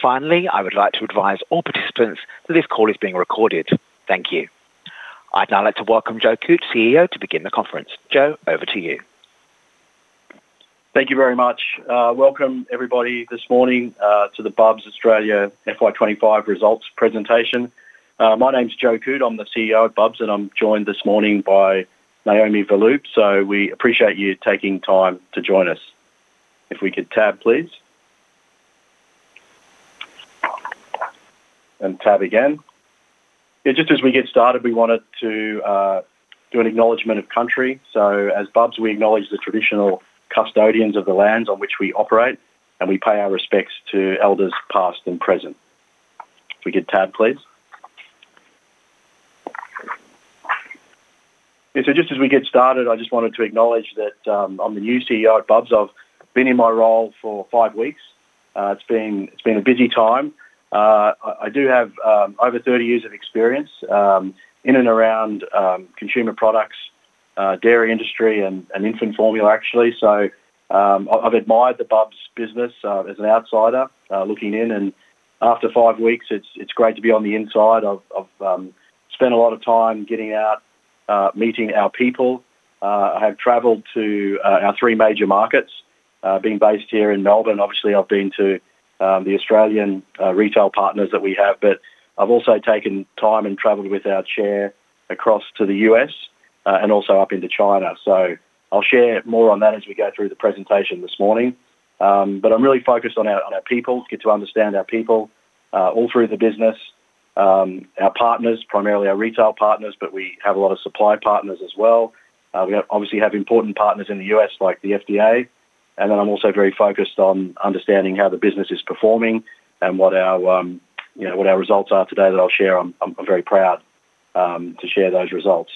Finally, I would like to advise all participants that this call is being recorded. Thank you. I'd now like to welcome Joe Coote, CEO, to begin the conference. Joe, over to you. Thank you very much. Welcome, everybody, this morning to the Bubs Australia FY 2025 results presentation. My name's Joe Coote. I'm the CEO of Bubs, and I'm joined this morning by Naomi Verloop. We appreciate you taking time to join us. If we could tab, please. And tab again. Just as we get started, we wanted to do an acknowledgement of country. As Bubs, we acknowledge the traditional custodians of the lands on which we operate, and we pay our respects to elders past and present. If we could tab, please. Just as we get started, I just wanted to acknowledge that I'm the new CEO at Bubs. I've been in my role for five weeks. It's been a busy time. I do have over 30 years of experience in and around consumer products, dairy industry, and infant formula, actually. I've admired the Bubs business as an outsider looking in, and after five weeks, it's great to be on the inside. I've spent a lot of time getting out, meeting our people. I have traveled to our three major markets, being based here in Melbourne. Obviously, I've been to the Australian retail partners that we have, but I've also taken time and traveled with our chair across to the U.S. and also up into China. I'll share more on that as we go through the presentation this morning. I'm really focused on our people, get to understand our people all through the business, our partners, primarily our retail partners, but we have a lot of supply partners as well. We obviously have important partners in the U.S. like the FDA. I'm also very focused on understanding how the business is performing and what our results are today that I'll share. I'm very proud to share those results.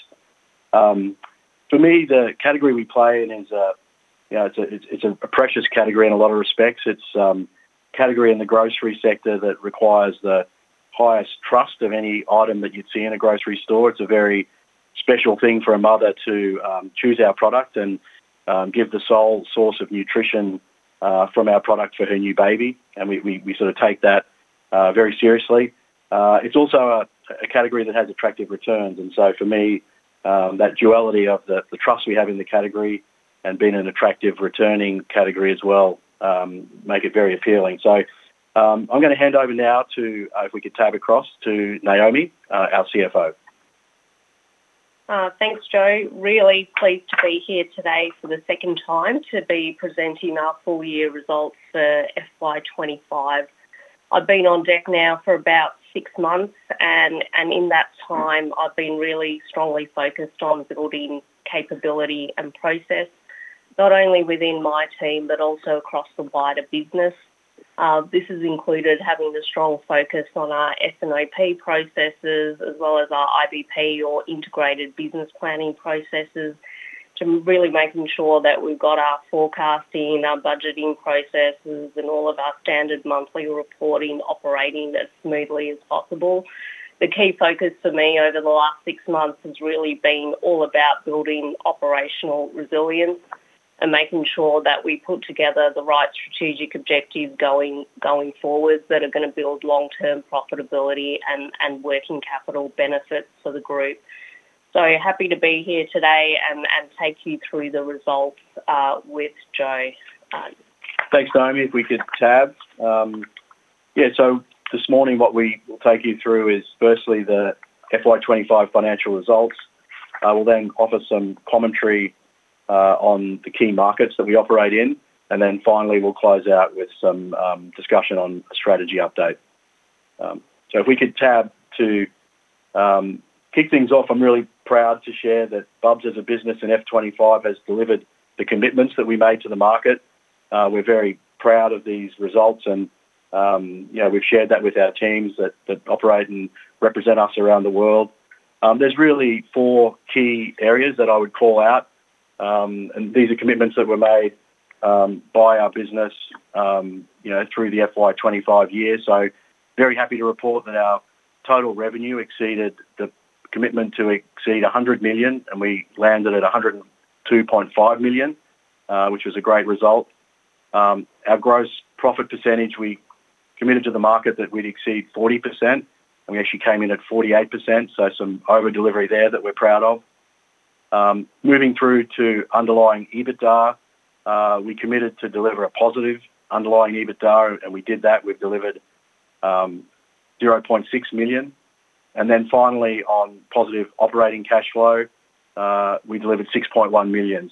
For me, the category we play in is a precious category in a lot of respects. It's a category in the grocery sector that requires the highest trust of any item that you'd see in a grocery store. It's a very special thing for a mother to choose our product and give the sole source of nutrition from our product for her new baby. We sort of take that very seriously. It's also a category that has attractive returns. For me, that duality of the trust we have in the category and being an attractive returning category as well make it very appealing. I'm going to hand over now to, if we could tab across, to Naomi, our CFO. Thanks, Joe. Really pleased to be here today for the second time to be presenting our full-year results for FY 2025. I've been on deck now for about six months, and in that time, I've been really strongly focused on building capability and process, not only within my team but also across the wider business. This has included having a strong focus on our S&OP processes as well as our IBP, or integrated business planning, processes to really make sure that we've got our forecasting, our budgeting processes, and all of our standard monthly reporting operating as smoothly as possible. The key focus for me over the last six months has really been all about building operational resilience and making sure that we put together the right strategic objectives going forward that are going to build long-term profitability and working capital benefits for the group. Happy to be here today and take you through the results with Joe. Thanks, Naomi. If we could tab. Yeah, this morning what we will take you through is firstly the FY 2025 financial results. We'll then offer some commentary on the key markets that we operate in, and finally we'll close out with some discussion on a strategy update. If we could tab to kick things off, I'm really proud to share that Bubs as a business in FY 2025 has delivered the commitments that we made to the market. We're very proud of these results, and we've shared that with our teams that operate and represent us around the world. There are really four key areas that I would call out, and these are commitments that were made by our business through the FY 2025 year. I'm very happy to report that our total revenue exceeded the commitment to exceed $100 million, and we landed at $102.5 million, which was a great result. Our gross profit percentage we committed to the market that we'd exceed 40%, and we actually came in at 48%, so some over-delivery there that we're proud of. Moving through to underlying EBITDA, we committed to deliver a positive underlying EBITDA, and we did that. We've delivered $0.6 million. Finally, on positive operating cash flow, we delivered $6.1 million.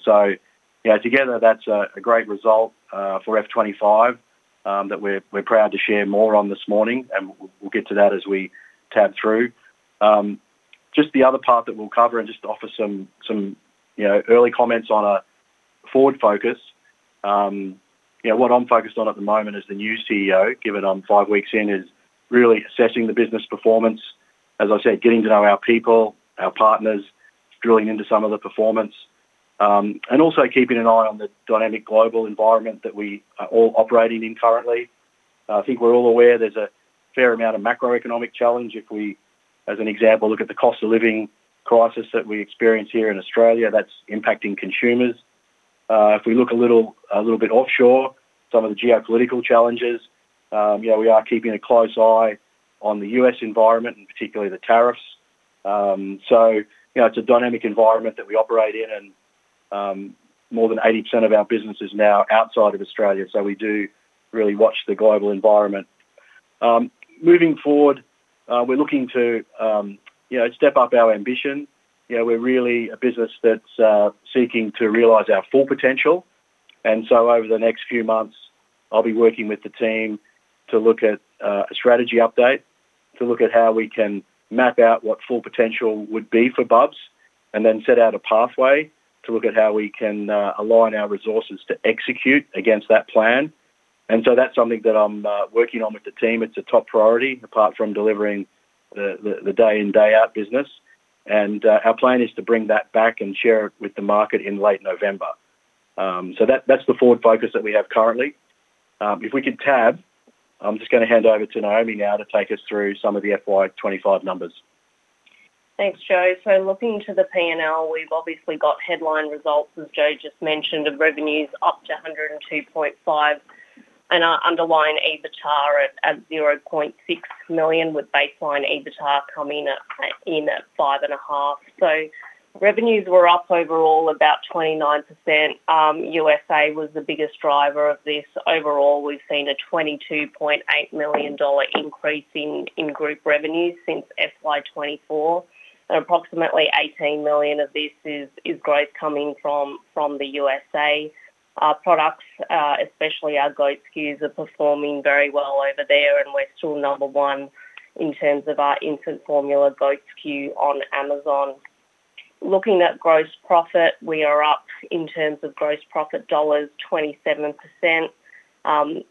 Together that's a great result for FY 2025 that we're proud to share more on this morning, and we'll get to that as we tab through. The other part that we'll cover and just offer some early comments on is a forward focus. What I'm focused on at the moment as the new CEO, given I'm five weeks in, is really assessing the business performance. As I said, getting to know our people, our partners, drilling into some of the performance, and also keeping an eye on the dynamic global environment that we are all operating in currently. I think we're all aware there's a fair amount of macroeconomic challenge. If we, as an example, look at the cost of living crisis that we experience here in Australia, that's impacting consumers. If we look a little bit offshore, some of the geopolitical challenges, we are keeping a close eye on the U.S. environment and particularly the tariffs. It's a dynamic environment that we operate in, and more than 80% of our business is now outside of Australia, so we do really watch the global environment. Moving forward, we're looking to step up our ambition. We're really a business that's seeking to realize our full potential. Over the next few months, I'll be working with the team to look at a strategy update, to look at how we can map out what full potential would be for Bubs, and then set out a pathway to look at how we can align our resources to execute against that plan. That is something that I'm working on with the team. It's a top priority apart from delivering the day in, day out business. Our plan is to bring that back and share it with the market in late November. That's the forward focus that we have currently. If we could tab, I'm just going to hand over to Naomi now to take us through some of the FY 2025 numbers. Thanks, Joe. Looking to the P&L, we've obviously got headline results as Joe just mentioned of revenues up to $102.5 million and our underlying EBITDA at $0.6 million with baseline EBITDA coming in at $5.5 million. Revenues were up overall about 29%. USA was the biggest driver of this. Overall, we've seen a $22.8 million increase in group revenues since FY 2024, and approximately $18 million of this is growth coming from the USA. Our products, especially our goat skews, are performing very well over there, and we're still number one in terms of our infant formula goat skew on Amazon. Looking at gross profit, we are up in terms of gross profit dollars 27%.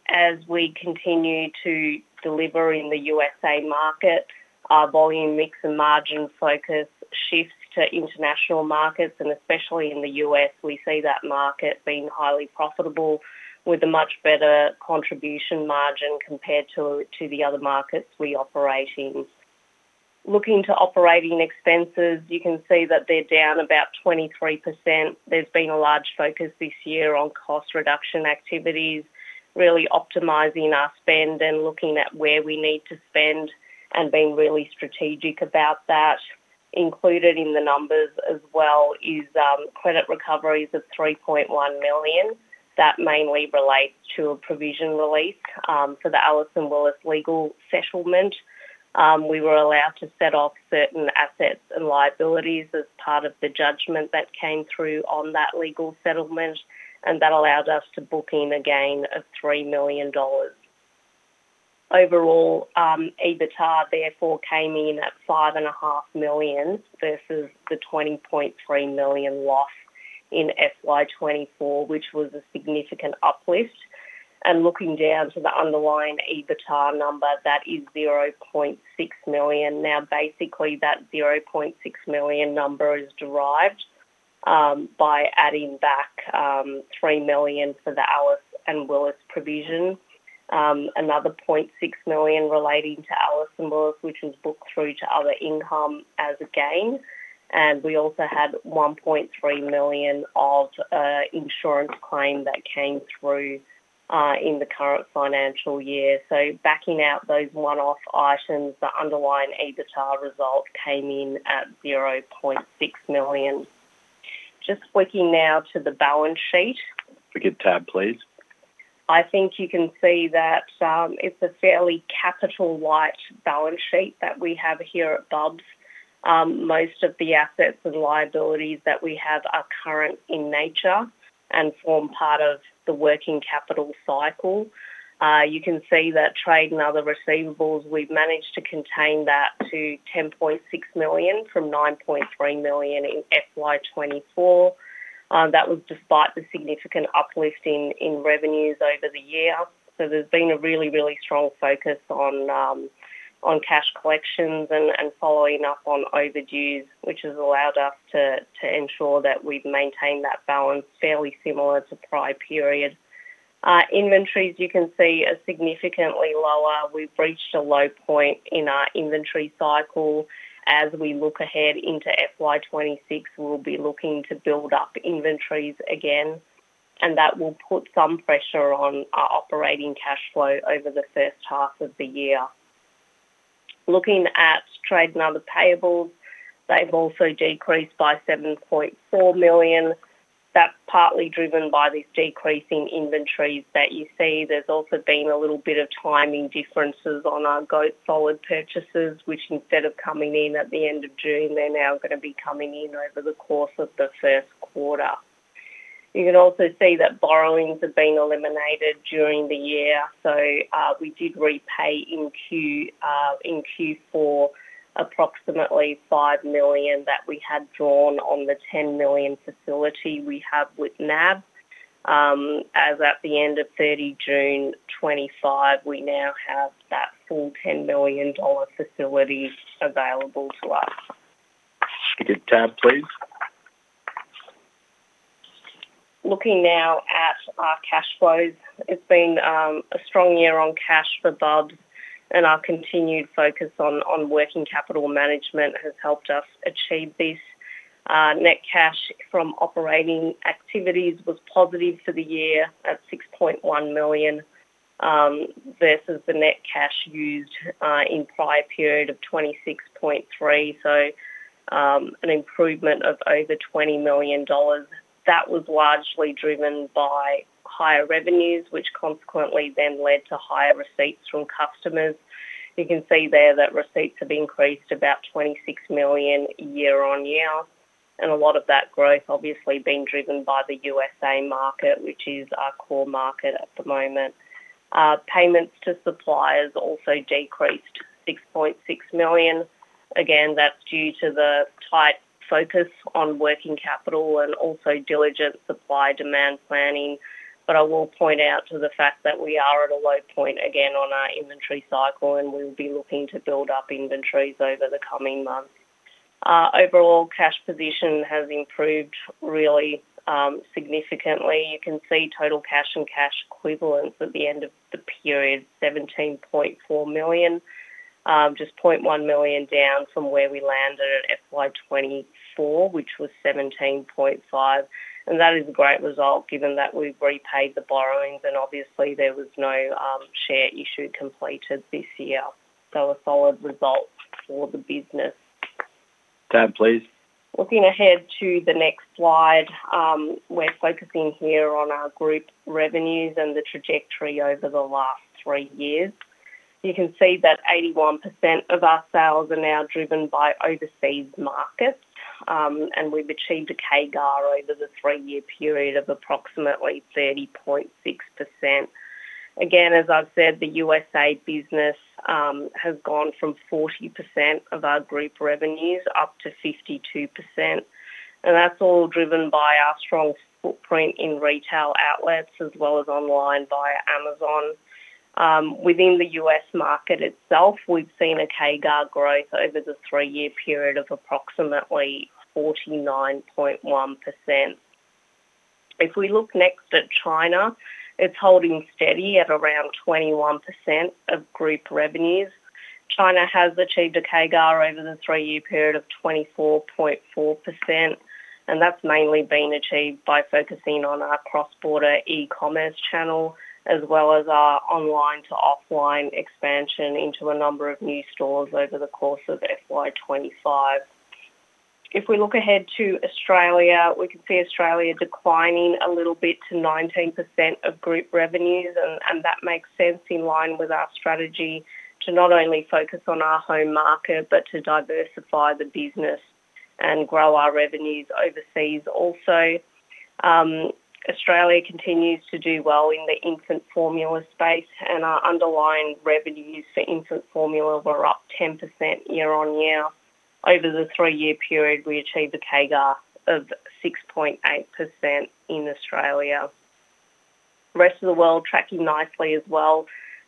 As we continue to deliver in the USA market, our volume mix and margin focus shifts to international markets, and especially in the US, we see that market being highly profitable with a much better contribution margin compared to the other markets we operate in. Looking to operating expenses, you can see that they're down about 23%. There's been a large focus this year on cost reduction activities, really optimizing our spend and looking at where we need to spend and being really strategic about that. Included in the numbers as well is credit recoveries of $3.1 million that mainly relate to a provision release for the Alice and Willis legal settlement. We were allowed to set off certain assets and liabilities as part of the judgment that came through on that legal settlement, and that allowed us to book in a gain of $3 million. Overall, EBITDA therefore came in at $5.5 million versus the $20.3 million loss in FY 2024, which was a significant uplift. Looking down to the underlying EBITDA number, that is $0.6 million. Basically, that $0.6 million number is derived by adding back $3 million for the Alice and Willis provision, another $0.6 million relating to Alice and Willis, which was booked through to other income as a gain. We also had $1.3 million of an insurance claim that came through in the current financial year. Backing out those one-off items, the underlying EBITDA result came in at $0.6 million. Just switching now to the balance sheet. If we could tab, please. I think you can see that it's a fairly capital-light balance sheet that we have here at Bubs. Most of the assets and liabilities that we have are current in nature and form part of the working capital cycle. You can see that trade and other receivables, we've managed to contain that to $10.6 million from $9.3 million in FY 2024. That was despite the significant uplift in revenues over the year. There's been a really, really strong focus on cash collections and following up on overdues, which has allowed us to ensure that we've maintained that balance fairly similar to prior period. Inventories, you can see, are significantly lower. We've reached a low point in our inventory cycle. As we look ahead into FY 2026, we'll be looking to build up inventories again, and that will put some pressure on our operating cash flow over the first half of the year. Looking at trade and other payables, they've also decreased by $7.4 million. That's partly driven by this decrease in inventories that you see. There's also been a little bit of timing differences on our goat solid purchases, which instead of coming in at the end of June, they're now going to be coming in over the course of the first quarter. You can also see that borrowings have been eliminated during the year. We did repay in Q4 approximately $5 million that we had drawn on the $10 million facility we have with NAB. As at the end of 30 June 2025, we now have that full $10 million facilities available to us. If we could tab, please. Looking now at our cash flows, it's been a strong year on cash for Bubs, and our continued focus on working capital management has helped us achieve this. Net cash from operating activities was positive for the year at $6.1 million versus the net cash used in prior period of $26.3 million, so an improvement of over $20 million. That was largely driven by higher revenues, which consequently then led to higher receipts from customers. You can see there that receipts have increased about $26 million year on year, and a lot of that growth obviously being driven by the U.S. market, which is our core market at the moment. Payments to suppliers also decreased $6.6 million. That is due to the tight focus on working capital and also diligent supply-demand planning. I will point out to the fact that we are at a low point again on our inventory cycle, and we will be looking to build up inventories over the coming months. Overall, cash position has improved really significantly. You can see total cash and cash equivalents at the end of the period $17.4 million, just $0.1 million down from where we landed at FY 2024, which was $17.5 million. That is a great result given that we've repaid the borrowings, and obviously there was no share issue completed this year. A solid result for the business. Tab, please. Looking ahead to the next slide, we're focusing here on our group revenues and the trajectory over the last three years. You can see that 81% of our sales are now driven by overseas markets, and we've achieved a CAGR over the three-year period of approximately 30.6%. Again, as I've said, the U.S. business has gone from 40% of our group revenues up to 52%, and that's all driven by our strong footprint in retail outlets as well as online via Amazon. Within the U.S. market itself, we've seen a CAGR growth over the three-year period of approximately 49.1%. If we look next at China, it's holding steady at around 21% of group revenues. China has achieved a CAGR over the three-year period of 24.4%, and that's mainly been achieved by focusing on our cross-border e-commerce channel as well as our Online to Offline expansion into a number of new stores over the course of FY 2025. If we look ahead to Australia, we could see Australia declining a little bit to 19% of group revenues, and that makes sense in line with our strategy to not only focus on our home market but to diversify the business and grow our revenues overseas also. Australia continues to do well in the infant formula space, and our underlying revenues for infant formula were up 10% year on year. Over the three-year period, we achieved a CAGR of 6.8% in Australia. The rest of the world tracking nicely as well,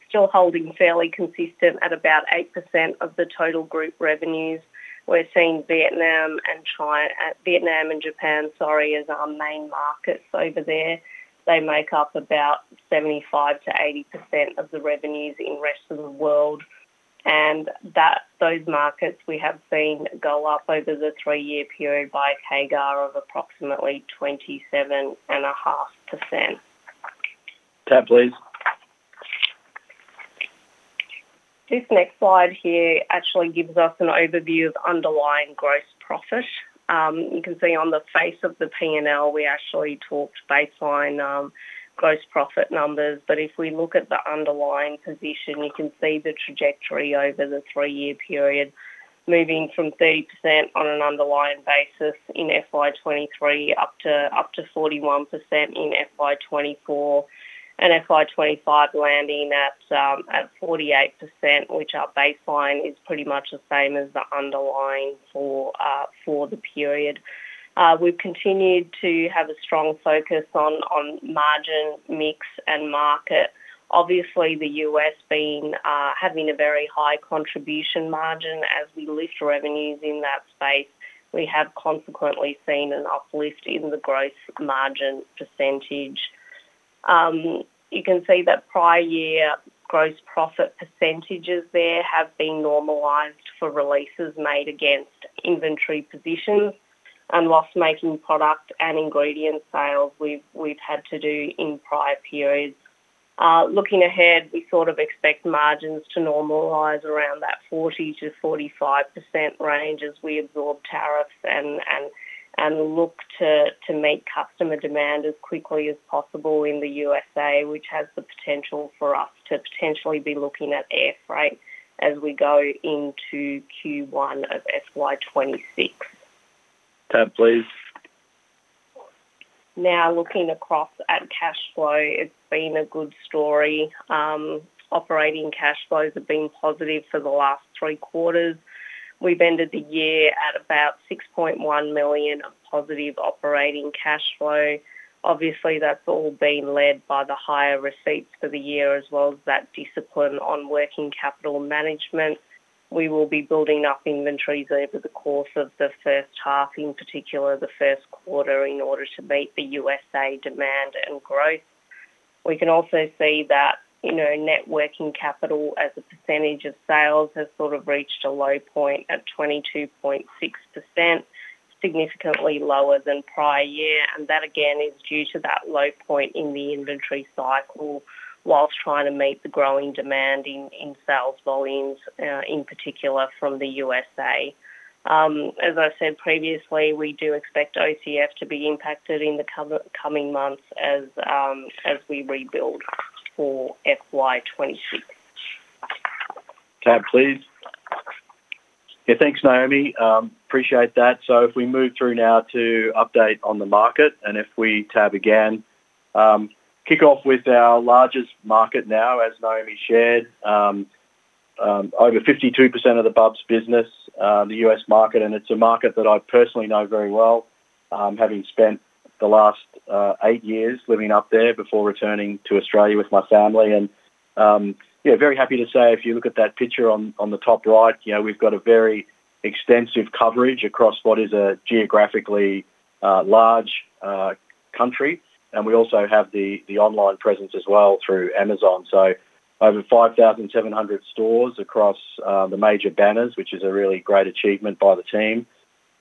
still holding fairly consistent at about 8% of the total group revenues. We're seeing Vietnam and Japan as our main markets over there. They make up about 75%-80% of the revenues in the rest of the world, and those markets we have seen go up over the three-year period by a CAGR of approximately 27.5%. Tab, please. This next slide here actually gives us an overview of underlying gross profit. You can see on the face of the P&L, we actually talked baseline gross profit numbers, but if we look at the underlying position, you can see the trajectory over the three-year period moving from 30% on an underlying basis in FY 2023 up to 41% in FY 2024, and FY 2025 landing at 48%, which our baseline is pretty much the same as the underlying for the period. We've continued to have a strong focus on margin mix and market. Obviously, the US having a very high contribution margin as we lift revenues in that space, we have consequently seen an uplift in the gross margin percentage. You can see that prior year gross profit percentages there have been normalized for releases made against inventory positions and whilst making product and ingredients sales we've had to do in prior periods. Looking ahead, we sort of expect margins to normalize around that 40%-45% range as we absorb tariffs and look to meet customer demand as quickly as possible in the US, which has the potential for us to potentially be looking at air freight as we go into Q1 of FY 2026. Tab, please. Now, looking across at cash flow, it's been a good story. Operating cash flows have been positive for the last three quarters. We've ended the year at about $6.1 million of positive operating cash flow. Obviously, that's all been led by the higher receipts for the year as well as that discipline on working capital management. We will be building up inventories over the course of the first half, in particular the first quarter, in order to meet the U.S. demand and growth. We can also see that net working capital as a percentage of sales has sort of reached a low point at 22.6%, significantly lower than prior year. That again is due to that low point in the inventory cycle whilst trying to meet the growing demand in sales volumes, in particular from the U.S. As I said previously, we do expect OCF to be impacted in the coming months as we rebuild for FY 2026. Tab, please. Yeah, thanks, Naomi. Appreciate that. If we move through now to update on the market and if we tab again, kick off with our largest market now, as Naomi shared, over 52% of the Bubs business, the U.S. market. It's a market that I personally know very well, having spent the last eight years living up there before returning to Australia with my family. Yeah, very happy to say if you look at that picture on the top right, you know we've got a very extensive coverage across what is a geographically large country. We also have the online presence as well through Amazon. Over 5,700 stores across the major banners, which is a really great achievement by the team.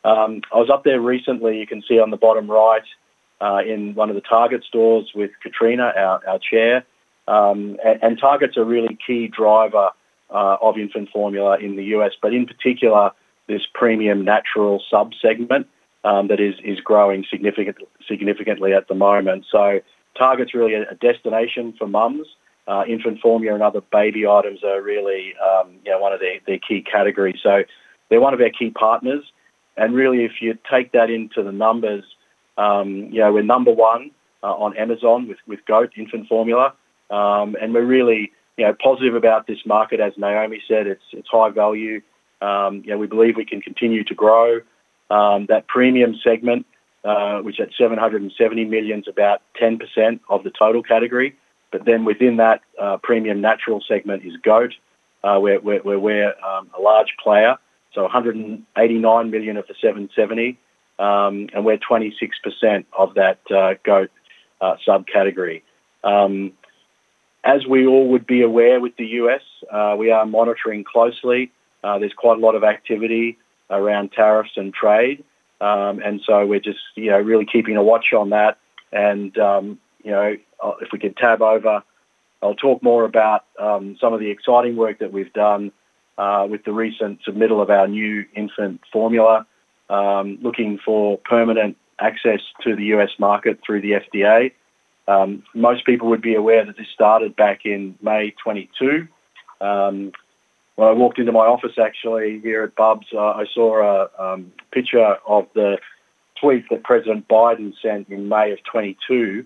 I was up there recently, you can see on the bottom right in one of the Target stores with Katrina, our Chair. Target's a really key driver of infant formula in the U.S., but in particular this premium natural subsegment that is growing significantly at the moment. Target's really a destination for mums. Infant formula and other baby items are really one of their key categories. They're one of our key partners. If you take that into the numbers, you know we're number one on Amazon with goat infant formula. We're really positive about this market. As Naomi said, it's high value. We believe we can continue to grow. That premium segment, which at $770 million is about 10% of the total category. Within that premium natural segment is goat, where we're a large player. $189 million of the $770 million, and we're 26% of that goat subcategory. As we all would be aware with the U.S., we are monitoring closely. There's quite a lot of activity around tariffs and trade. We're just really keeping a watch on that. If we could tab over, I'll talk more about some of the exciting work that we've done with the recent submittal of our new infant formula, looking for permanent access to the U.S. market through the FDA. Most people would be aware that this started back in May 2022. When I walked into my office, actually, here at Bubs, I saw a picture of the tweet that President Biden sent in May of 2022,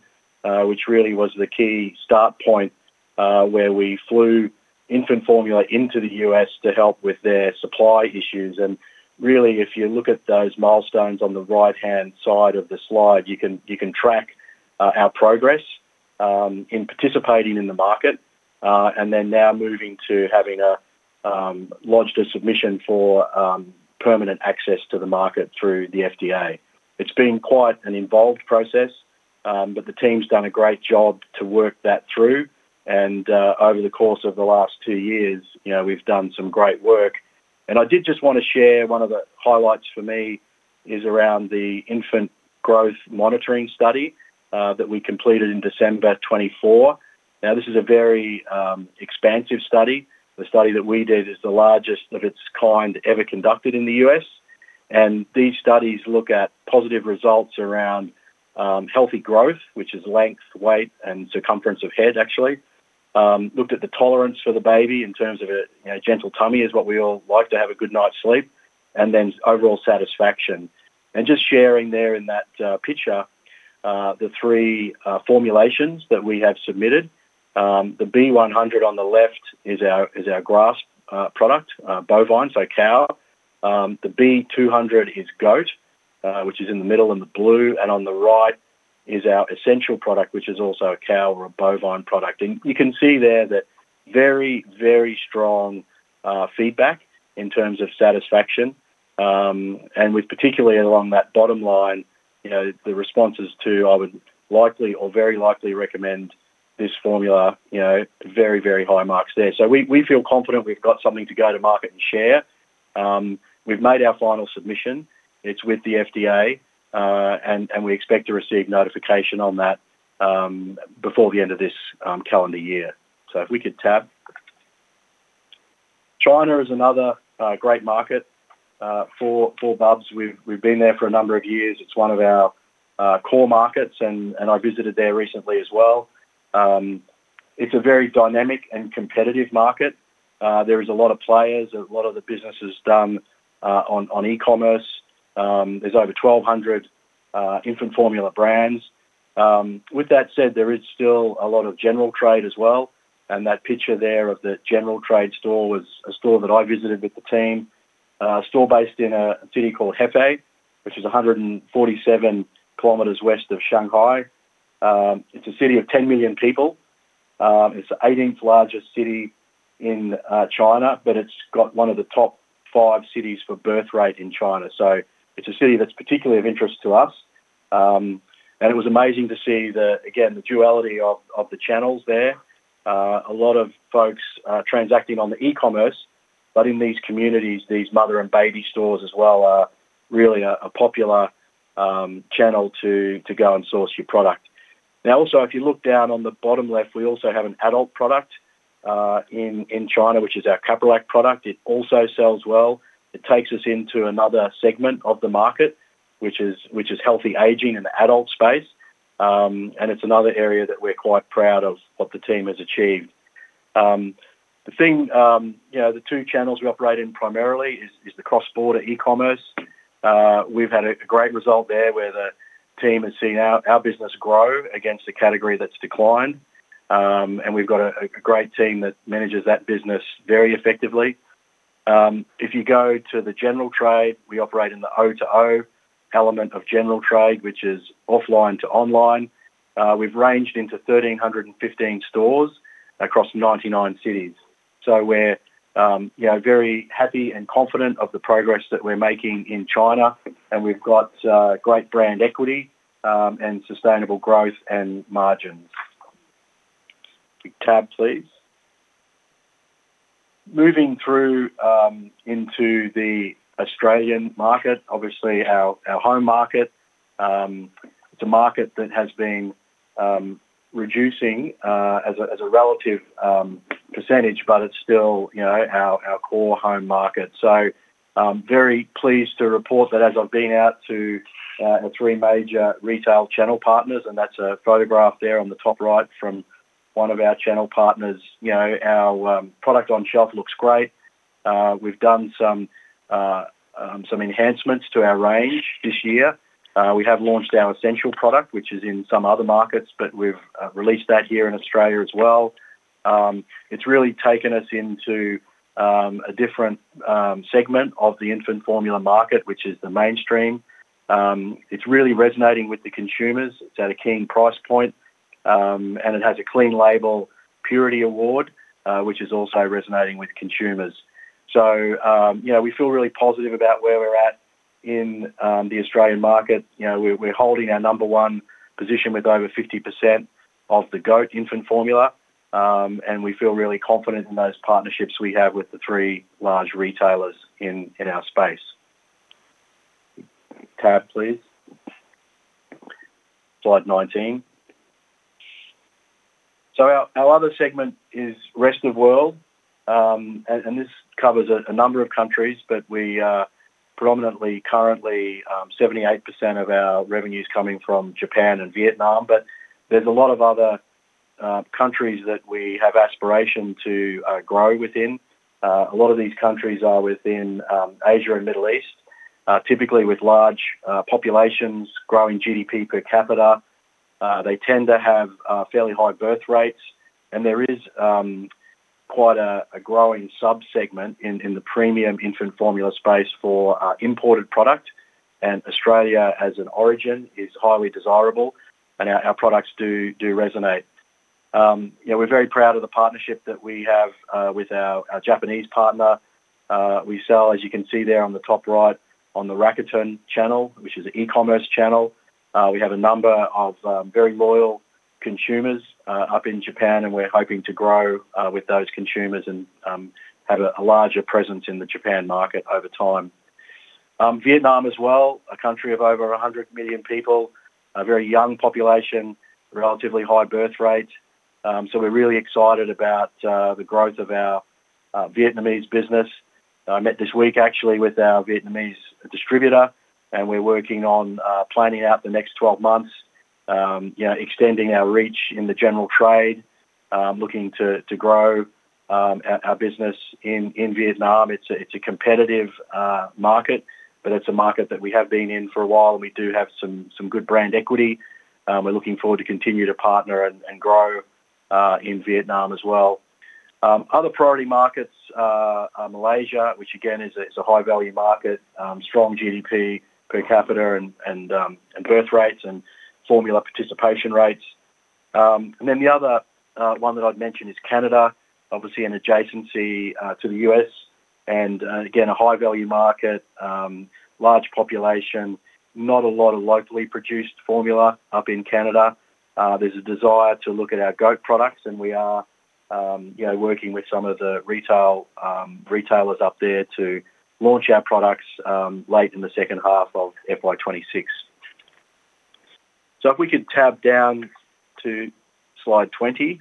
which really was the key start point where we flew infant formula into the U.S. to help with their supply issues. If you look at those milestones on the right-hand side of the slide, you can track our progress in participating in the market and then now moving to having lodged a submission for permanent access to the market through the FDA. It's been quite an involved process, but the team's done a great job to work that through. Over the course of the last two years, you know we've done some great work. I did just want to share one of the highlights for me is around the infant growth study that we completed in December 2024. This is a very expansive study. The study that we did is the largest of its kind ever conducted in the U.S. These studies look at positive results around healthy growth, which is length, weight, and circumference of head, actually. Looked at the tolerance for the baby in terms of a gentle tummy, is what we all like to have a good night's sleep, and then overall satisfaction. Just sharing there in that picture, the three formulations that we have submitted, the B100 on the left is our grass product, bovine, so cow. The B200 is goat, which is in the middle in the blue. On the right is our essential product, which is also a cow or a bovine product. You can see there that very, very strong feedback in terms of satisfaction. Particularly along that bottom line, the response is to, I would likely or very likely recommend this formula, very, very high marks there. We feel confident we've got something to go to market share. We've made our final submission. It's with the FDA, and we expect to receive notification on that before the end of this calendar year. If we could tab. China is another great market for Bubs. We've been there for a number of years. It's one of our core markets, and I visited there recently as well. It's a very dynamic and competitive market. There are a lot of players. A lot of the business is done on e-commerce. There's over 1,200 infant formula brands. With that said, there is still a lot of general trade as well. That picture there of the general trade store was a store that I visited with the team, a store based in a city called Hefei, which is 147 km west of Shanghai. It's a city of 10 million people. It's the 18th largest city in China, but it's got one of the top five cities for birth rate in China. It's a city that's particularly of interest to us. It was amazing to see the, again, the duality of the channels there. A lot of folks are transacting on the e-commerce, but in these communities, these mother and baby stores as well are really a popular channel to go and source your product. Now, also, if you look down on the bottom left, we also have an adult product in China, which is our Cadillac product. It also sells well. It takes us into another segment of the market, which is healthy aging in the adult space. It's another area that we're quite proud of what the team has achieved. The thing, you know, the two channels we operate in primarily is the cross-border e-commerce. We've had a great result there where the team has seen our business grow against the category that's declined. We've got a great team that manages that business very effectively. If you go to the general trade, we operate in the O2O element of general trade, which is offline to online. We've ranged into 1,315 stores across 99 cities. We're very happy and confident of the progress that we're making in China. We've got great brand equity and sustainable growth and margins. Tab, please. Moving through into the Australian market, obviously our home market. It's a market that has been reducing as a relative percentage, but it's still our core home market. Very pleased to report that as I've been out to three major retail channel partners, and that's a photograph there on the top right from one of our channel partners, our product on shelf looks great. We've done some enhancements to our range this year. We have launched our essential product, which is in some other markets, but we've released that here in Australia as well. It's really taken us into a different segment of the infant formula market, which is the mainstream. It's really resonating with the consumers. It's at a keen price point, and it has a Clean Label Purity Award, which is also resonating with consumers. We feel really positive about where we're at in the Australian market. We're holding our number one position with over 50% of the goat infant formula. We feel really confident in those partnerships we have with the three large retailers in our space. Tab, please. Slide 19. Our other segment is rest of the world. This covers a number of countries, but we are predominantly currently 78% of our revenues coming from Japan and Vietnam. There's a lot of other countries that we have aspiration to grow within. A lot of these countries are within Asia and the Middle East, typically with large populations, growing GDP per capita. They tend to have fairly high birth rates. There is quite a growing subsegment in the premium infant formula space for imported product. Australia, as an origin, is highly desirable, and our products do resonate. We're very proud of the partnership that we have with our Japanese partner. We sell, as you can see there on the top right, on the Rakuten channel, which is an e-commerce channel. We have a number of very loyal consumers up in Japan, and we're hoping to grow with those consumers and have a larger presence in the Japan market over time. Vietnam as well, a country of over 100 million people, a very young population, relatively high birth rate. We're really excited about the growth of our Vietnamese business. I met this week, actually, with our Vietnamese distributor, and we're working on planning out the next 12 months, extending our reach in the general trade, looking to grow our business in Vietnam. It's a competitive market, but it's a market that we have been in for a while, and we do have some good brand equity. We're looking forward to continue to partner and grow in Vietnam as well. Other priority markets are Malaysia, which again is a high-value market, strong GDP per capita and birth rates and formula participation rates. The other one that I'd mention is Canada, obviously an adjacency to the U.S. Again, a high-value market, large population, not a lot of locally produced formula up in Canada. There's a desire to look at our goat products, and we are working with some of the retailers up there to launch our products late in the second half of FY 2026. If we could tab down to slide 20,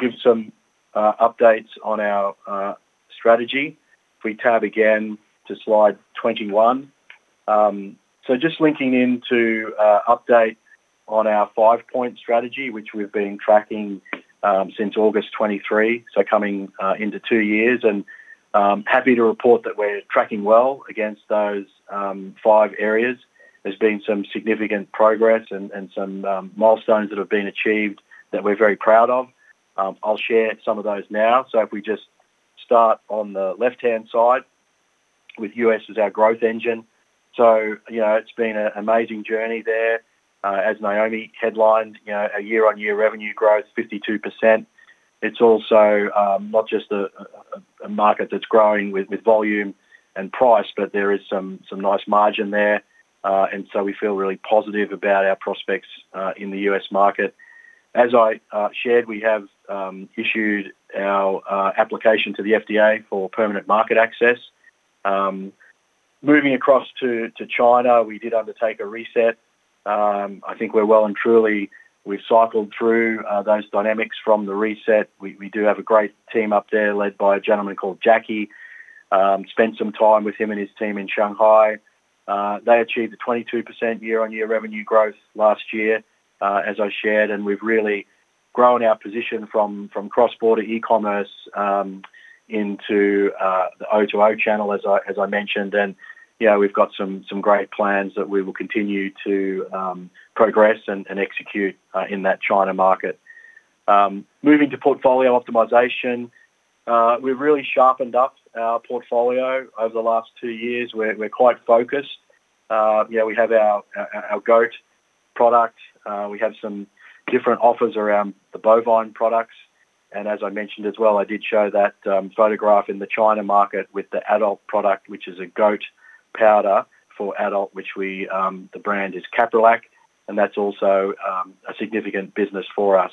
give some updates on our strategy. If we tab again to slide 21. Just linking into update on our five-point strategy, which we've been tracking since August 2023, coming into two years. Happy to report that we're tracking well against those five areas. There's been some significant progress and some milestones that have been achieved that we're very proud of. I'll share some of those now. If we just start on the left-hand side with U.S. as our growth engine. It's been an amazing journey there. As Naomi headlined, a year-on-year revenue growth, 52%. It's also not just a market that's growing with volume and price, but there is some nice margin there. We feel really positive about our prospects in the U.S. market. As I shared, we have issued our application to the FDA for permanent market access. Moving across to China, we did undertake a reset. I think we're well and truly we've cycled through those dynamics from the reset. We do have a great team up there led by a gentleman called Jackie. Spent some time with him and his team in Shanghai. They achieved a 22% year-on-year revenue growth last year, as I shared. We've really grown our position from cross-border e-commerce into the O2O channel, as I mentioned. We've got some great plans that we will continue to progress and execute in that China market. Moving to portfolio optimization, we've really sharpened up our portfolio over the last two years. We're quite focused. We have our goat product. We have some different offers around the bovine products. As I mentioned as well, I did show that photograph in the China market with the adult product, which is a goat powder for adult, which the brand is Cadillac. That's also a significant business for us.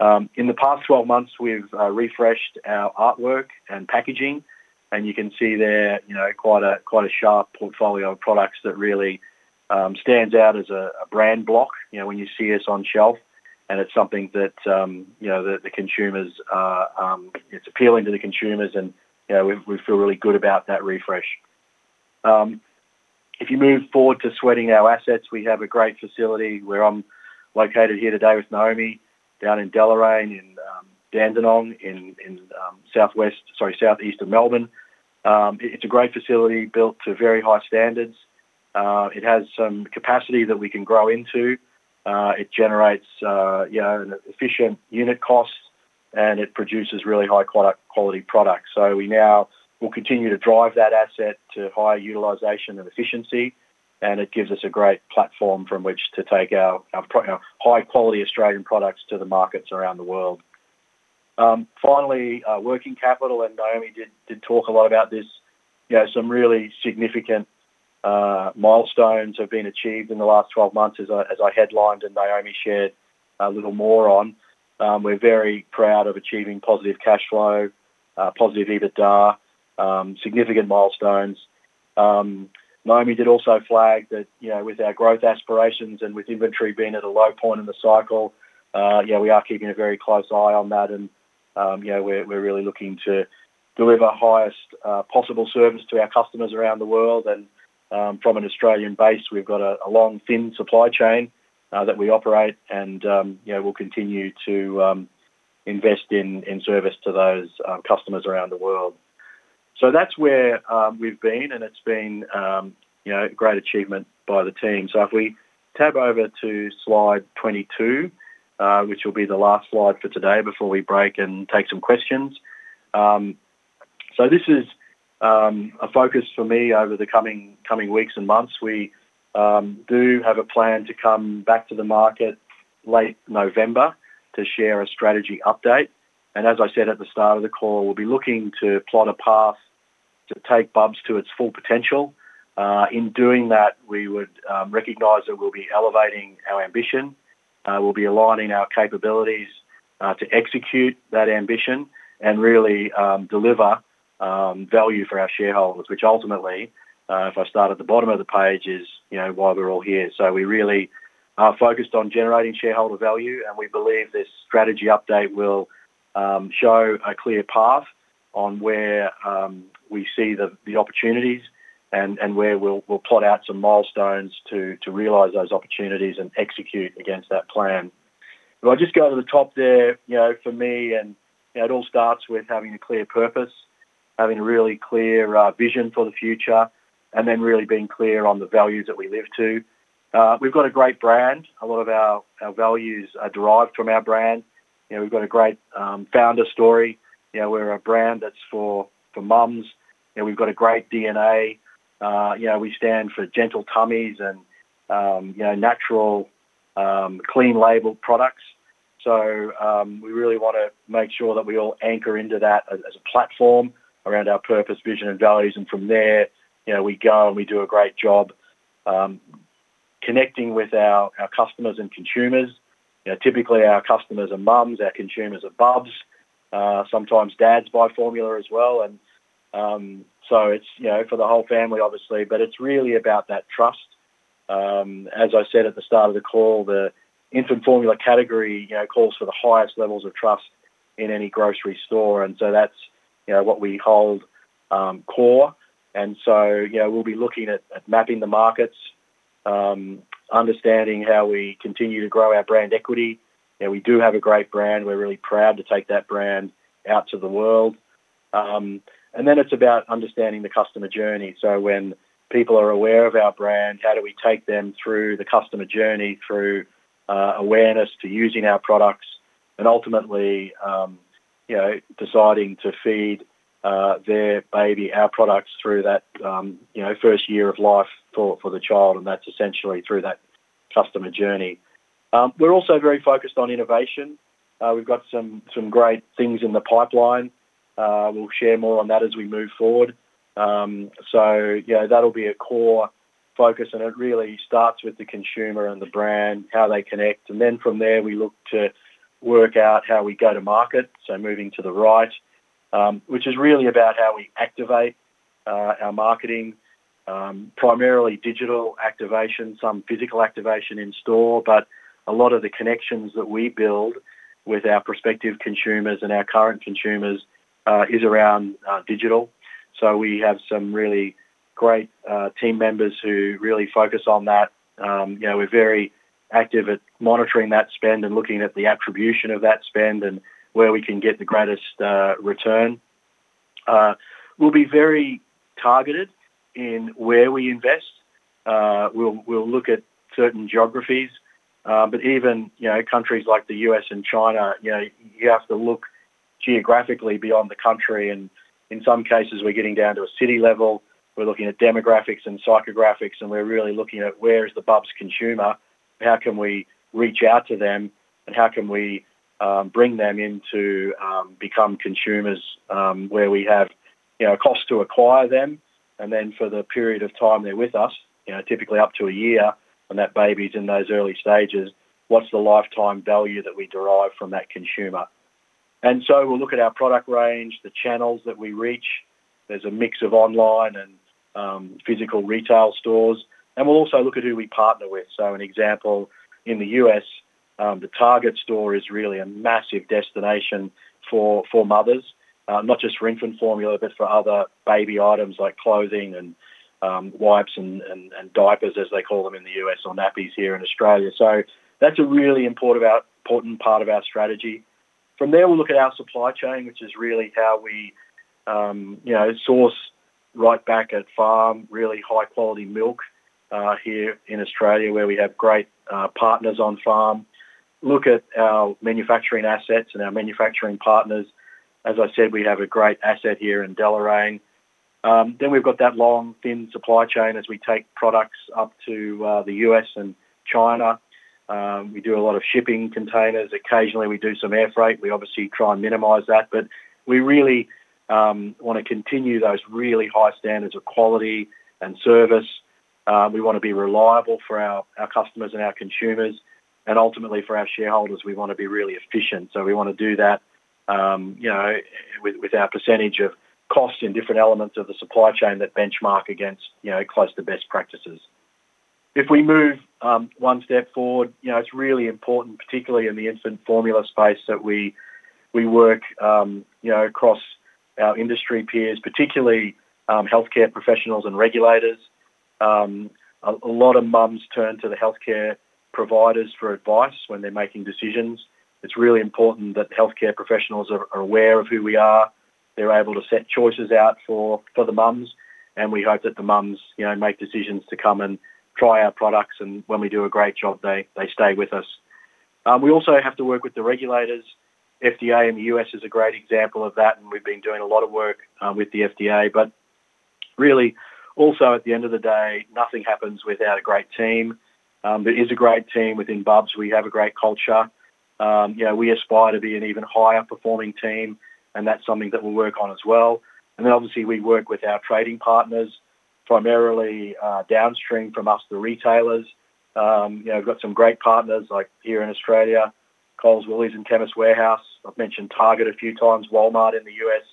In the past 12 months, we've refreshed our artwork and packaging. You can see there, quite a sharp portfolio of products that really stands out as a brand block when you see us on shelf. It's something that the consumers are. It's appealing to the consumers, and we feel really good about that refresh. If you move forward to sweating our assets, we have a great facility. We're located here today with Naomi down in Deloraine in Dandenong in southeast of Melbourne. It's a great facility built to very high standards. It has some capacity that we can grow into. It generates an efficient unit cost, and it produces really high-quality products. We now will continue to drive that asset to higher utilization and efficiency. It gives us a great platform from which to take our high-quality Australian products to the markets around the world. Finally, working capital, and Naomi did talk a lot about this. Some really significant milestones have been achieved in the last 12 months, as I headlined and Naomi shared a little more on. We're very proud of achieving positive cash flow, positive EBITDA, significant milestones. Naomi did also flag that with our growth aspirations and with inventory being at a low point in the cycle, we are keeping a very close eye on that. We're really looking to deliver highest possible service to our customers around the world. From an Australian base, we've got a long, thin supply chain that we operate. We'll continue to invest in service to those customers around the world. That's where we've been, and it's been a great achievement by the team. If we tab over to slide 22, which will be the last slide for today before we break and take some questions, this is a focus for me over the coming weeks and months. We do have a plan to come back to the market late November to share a strategy update. As I said at the start of the call, we'll be looking to plot a path to take Bubs Australia to its full potential. In doing that, we would recognize that we'll be elevating our ambition. We'll be aligning our capabilities to execute that ambition and really deliver value for our shareholders, which ultimately, if I start at the bottom of the page, is why we're all here. We really are focused on generating shareholder value, and we believe this strategy update will show a clear path on where we see the opportunities and where we'll plot out some milestones to realize those opportunities and execute against that plan. If I just go over the top there, for me, it all starts with having a clear purpose, having a really clear vision for the future, and then really being clear on the values that we live to. We've got a great brand. A lot of our values are derived from our brand. We've got a great founder story. We're a brand that's for mums. We've got a great DNA. We stand for gentle tummies and natural, clean-labeled products. We really want to make sure that we all anchor into that as a platform around our purpose, vision, and values. From there, we go and we do a great job connecting with our customers and consumers. Typically, our customers are mums, our consumers are Bubs. Sometimes dads buy formula as well. It's for the whole family, obviously, but it's really about that trust. As I said at the start of the call, the infant formula category calls for the highest levels of trust in any grocery store. That's what we hold core. We'll be looking at mapping the markets, understanding how we continue to grow our brand equity. We do have a great brand. We're really proud to take that brand out to the world. Then it's about understanding the customer journey. When people are aware of our brand, how do we take them through the customer journey, through awareness to using our products, and ultimately, you know, deciding to feed their baby our products through that first year of life for the child? That's essentially through that customer journey. We're also very focused on innovation. We've got some great things in the pipeline. We'll share more on that as we move forward. That'll be a core focus, and it really starts with the consumer and the brand, how they connect. From there, we look to work out how we go to market. Moving to the right, which is really about how we activate our marketing, primarily digital activation, some physical activation in store. A lot of the connections that we build with our prospective consumers and our current consumers is around digital. We have some really great team members who really focus on that. We're very active at monitoring that spend and looking at the attribution of that spend and where we can get the greatest return. We'll be very targeted in where we invest. We'll look at certain geographies, but even, you know, countries like the U.S. and China, you have to look geographically beyond the country. In some cases, we're getting down to a city level. We're looking at demographics and psychographics, and we're really looking at where is the Bubs consumer, how can we reach out to them, and how can we bring them in to become consumers where we have a cost to acquire them. For the period of time they're with us, typically up to a year when that baby's in those early stages, what's the lifetime value that we derive from that consumer? We'll look at our product range, the channels that we reach. There's a mix of online and physical retail stores. We'll also look at who we partner with. An example in the U.S., the Target store is really a massive destination for mothers, not just for infant formula, but for other baby items like clothing and wipes and diapers, as they call them in the U.S., or nappies here in Australia. That's a really important part of our strategy. From there, we'll look at our supply chain, which is really how we source right back at farm, really high-quality milk here in Australia, where we have great partners on farm. Look at our manufacturing assets and our manufacturing partners. As I said, we have a great asset here in Deloraine. Then we've got that long, thin supply chain as we take products up to the U.S. and China. We do a lot of shipping containers. Occasionally, we do some air freight. We obviously try and minimize that, but we really want to continue those really high standards of quality and service. We want to be reliable for our customers and our consumers. Ultimately, for our shareholders, we want to be really efficient. We want to do that with our percentage of cost in different elements of the supply chain that benchmark against close to best practices. If we move one step forward, it's really important, particularly in the infant formula space, that we work across our industry peers, particularly healthcare professionals and regulators. A lot of mums turn to the healthcare providers for advice when they're making decisions. It's really important that healthcare professionals are aware of who we are. They're able to set choices out for the mums. We hope that the mums make decisions to come and try our products. When we do a great job, they stay with us. We also have to work with the regulators. FDA in the U.S. is a great example of that. We've been doing a lot of work with the FDA. Really, also at the end of the day, nothing happens without a great team. There is a great team within Bubs. We have a great culture. We aspire to be an even higher performing team. That's something that we'll work on as well. Obviously, we work with our trading partners, primarily downstream from us, the retailers. We've got some great partners like here in Australia, Coles, Woolworths, and Chemist Warehouse. I've mentioned Target a few times, Walmart in the U.S.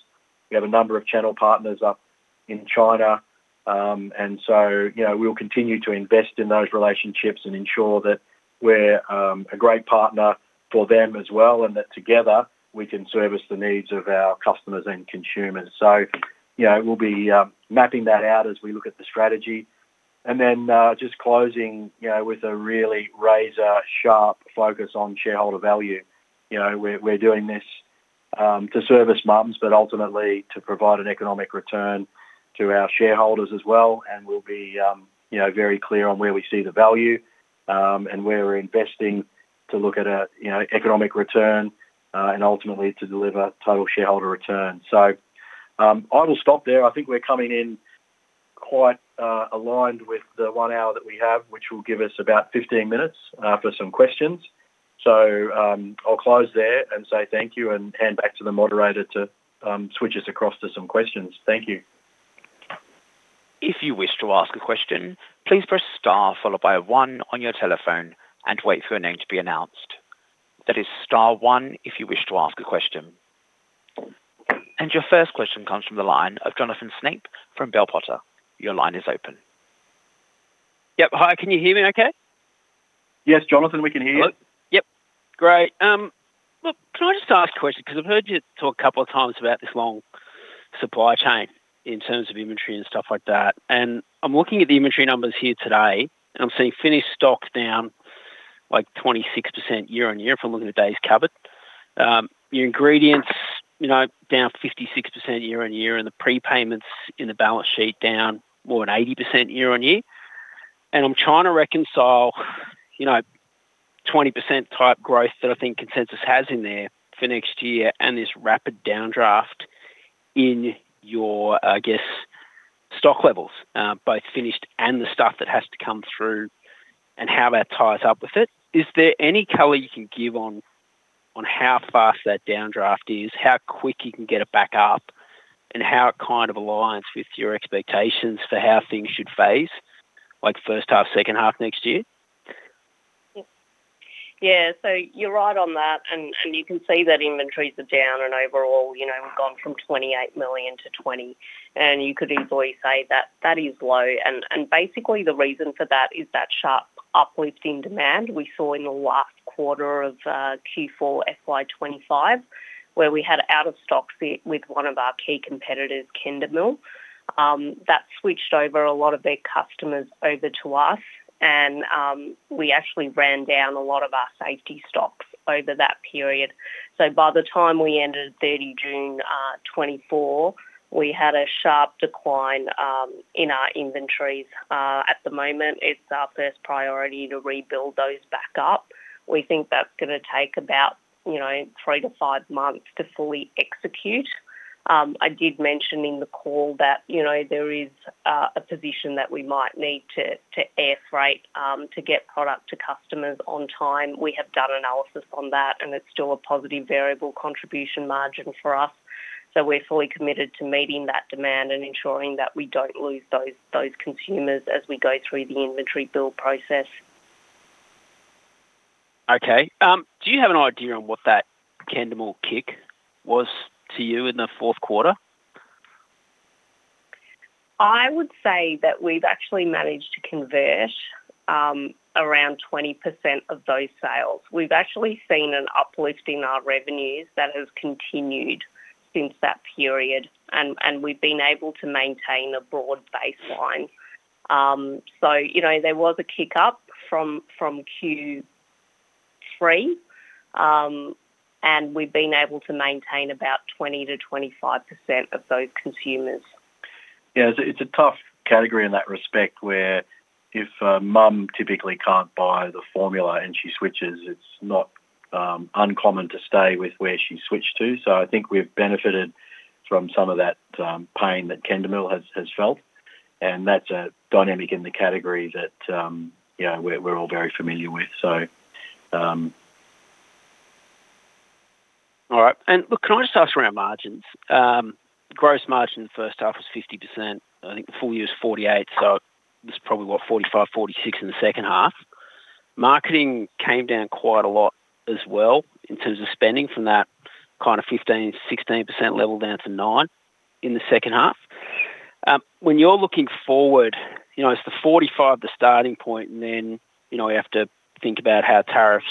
We have a number of channel partners up in China. We'll continue to invest in those relationships and ensure that we're a great partner for them as well and that together we can service the needs of our customers and consumers. We'll be mapping that out as we look at the strategy. Just closing with a really razor-sharp focus on shareholder value. We're doing this to service mums, but ultimately to provide an economic return to our shareholders as well. We will be, you know, very clear on where we see the value and where we're investing to look at an economic return and ultimately to deliver total shareholder return. I will stop there. I think we're coming in quite aligned with the one hour that we have, which will give us about 15 minutes for some questions. I'll close there and say thank you and hand back to the moderator to switch us across to some questions. Thank you. If you wish to ask a question, please press star followed by one on your telephone and wait for your name to be announced. That is star one if you wish to ask a question. Your first question comes from the line of Jonathan Snape from Bell Potter. Your line is open. Hi. Can you hear me okay? Yes, Jonathan, we can hear you. Great. Can I just ask a question? Because I've heard you talk a couple of times about this long supply chain in terms of inventory and stuff like that. I'm looking at the inventory numbers here today, and I'm seeing finished stock down 26% year on year if I'm looking at days covered. Your ingredients, you know, down 56% year on year, and the prepayments in the balance sheet down more than 80% year on year. I'm trying to reconcile 20% type growth that I think consensus has in there for next year and this rapid downdraft in your, I guess, stock levels, both finished and the stuff that has to come through and how that ties up with it. Is there any color you can give on how fast that downdraft is, how quick you can get it back up, and how it kind of aligns with your expectations for how things should phase, like first half, second half next year? Yeah, you're right on that. You can see that inventories are down and overall, we've gone from $28 million to $20 million. You could easily say that is low. Basically, the reason for that is the sharp uplift in demand we saw in the last quarter of Q4 FY 2025 where we had out of stock with one of our key competitors, Kendamil. That switched over a lot of their customers to us. We actually ran down a lot of our safety stocks over that period. By the time we ended 30 June 2024, we had a sharp decline in our inventories. At the moment, it's our first priority to rebuild those back up. We think that's going to take about three to five months to fully execute. I did mention in the call that there is a position that we might need to air freight to get product to customers on time. We have done analysis on that, and it's still a positive variable contribution margin for us. We're fully committed to meeting that demand and ensuring that we don't lose those consumers as we go through the inventory build process. Okay. Do you have an idea on what that Kendamil kick was to you in the fourth quarter? I would say that we've actually managed to convert around 20% of those sales. We've actually seen an uplift in our revenues that has continued since that period, and we've been able to maintain a broad baseline. There was a kick-up from Q3, and we've been able to maintain about 20%-25% of those consumers. Yeah, it's a tough category in that respect where if a mum typically can't buy the formula and she switches, it's not uncommon to stay with where she switched to. I think we've benefited from some of that pain that Kendamil has felt. That's a dynamic in the category that we're all very familiar with. All right. Can I just ask around margins? Gross margin first half was 50%. I think full year is 48%. This is probably, what, 45%, 46% in the second half. Marketing came down quite a lot as well in terms of spending from that kind of 15%, 16% level down to 9% in the second half. When you're looking forward, is the 45% the starting point? We have to think about how tariffs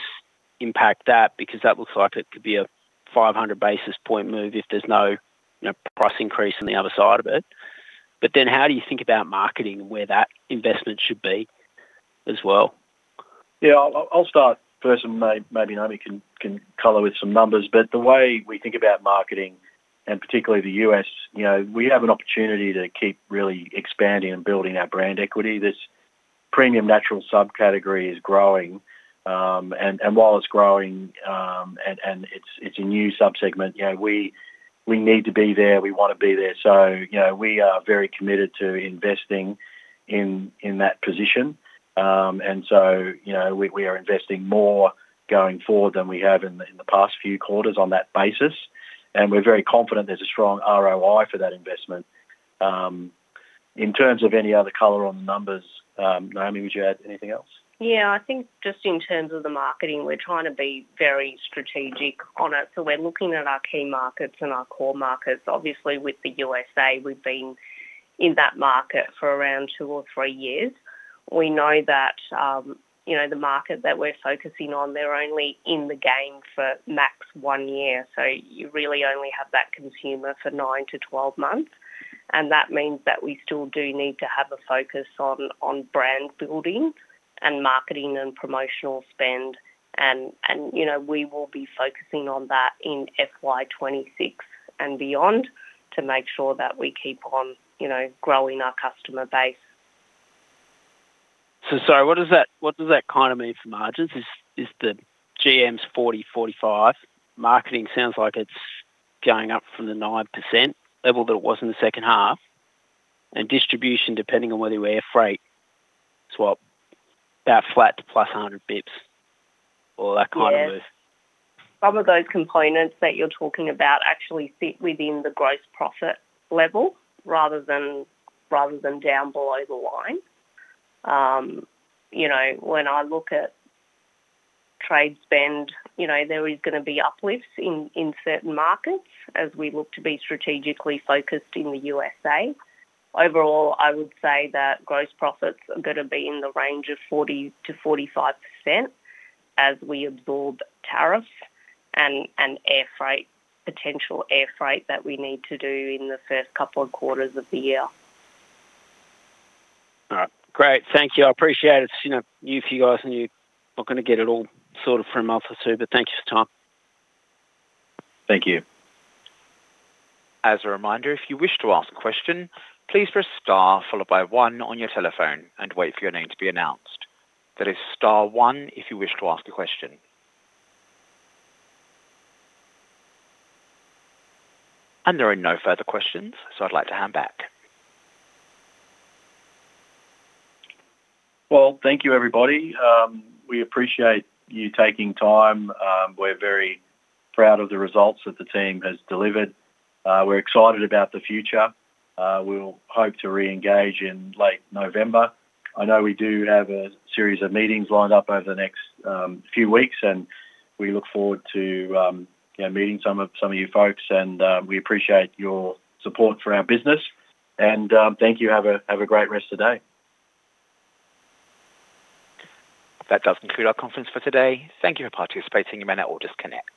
impact that because that looks like it could be a 500 basis point move if there's no price increase on the other side of it. How do you think about marketing, where that investment should be as well? Yeah, I'll start first and maybe Naomi can color with some numbers. The way we think about marketing and particularly the U.S., we have an opportunity to keep really expanding and building our brand equity. This premium natural subcategory is growing. While it's growing and it's a new subsegment, we need to be there. We want to be there. We are very committed to investing in that position. We are investing more going forward than we have in the past few quarters on that basis. We're very confident there's a strong ROI for that investment. In terms of any other color on the numbers, Naomi, would you add anything else? Yeah, I think just in terms of the marketing, we're trying to be very strategic on it. We're looking at our key markets and our core markets. Obviously, with the U.S.A., we've been in that market for around two or three years. We know that the market that we're focusing on, they're only in the game for max one year. You really only have that consumer for nine to twelve months. That means that we still do need to have a focus on brand building and marketing and promotional spend. We will be focusing on that in FY 2026 and beyond to make sure that we keep on growing our customer base. What does that kind of mean for margins? Is the GM's 40%-45% marketing sounds like it's going up from the 9% level that it was in the second half. Distribution, depending on whether you air freight, it's what, about flat to +100 bps or that kind of move. Bubs components that you're talking about actually sit within the gross profit level rather than down below the line. You know, when I look at trade spend, you know, there is going to be uplifts in certain markets as we look to be strategically focused in the U.S. Overall, I would say that gross profits are going to be in the range of 40%-45% as we absorb tariffs and air freight, potential air freight that we need to do in the first couple of quarters of the year. Great. Thank you. I appreciate it. You know, you are a few guys and you're not going to get it all sorted from the office here, but thank you for the time. Thank you. As a reminder, if you wish to ask a question, please press star followed by one on your telephone and wait for your name to be announced. That is star one if you wish to ask a question. There are no further questions, so I'd like to hand back. Thank you, everybody. We appreciate you taking time. We're very proud of the results that the team has delivered. We're excited about the future. We hope to re-engage in late November. I know we do have a series of meetings lined up over the next few weeks, and we look forward to meeting some of you folks. We appreciate your support for our business. Thank you. Have a great rest of the day. That does conclude our conference for today. Thank you for participating. Your menu will disconnect.